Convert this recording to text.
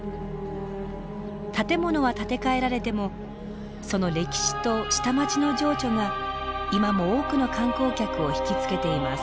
建物は建て替えられてもその歴史と下町の情緒が今も多くの観光客を引き付けています。